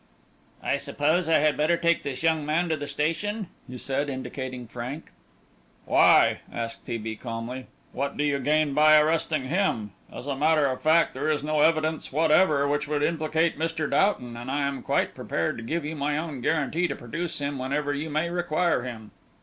"I suppose I had better take this young man to the station?" he said, indicating Frank. "Why?" asked T. B. calmly; "what do you gain by arresting him? As a matter of fact there is no evidence whatever which would implicate Mr. Doughton, and I am quite prepared to give you my own guarantee to produce him whenever you may require him.